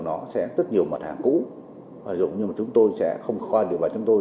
nó sẽ rất nhiều mặt hàng cũ hoài dụng nhưng mà chúng tôi sẽ không khoan điều bản chúng tôi